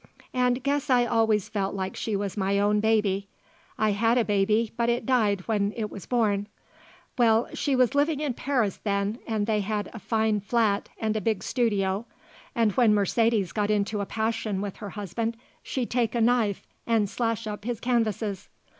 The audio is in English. And guess I always felt like she was my own baby. I had a baby, but it died when it was born. Well, she was living in Paris then and they had a fine flat and a big studio, and when Mercedes got into a passion with her husband she'd take a knife and slash up his canvases.